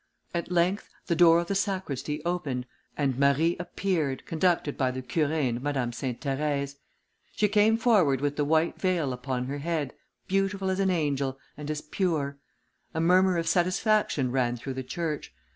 At length, the door of the sacristy opened, and Marie appeared, conducted by the Curé and Madame Sainte Therèse; she came forward with the white veil upon her head, beautiful as an angel, and as pure. A murmur of satisfaction ran through the church.